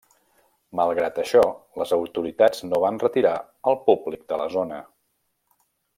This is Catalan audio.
Malgrat això, les autoritats no van retirar el públic de la zona.